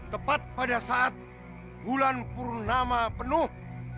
tepat pada saat bulan purnama penuh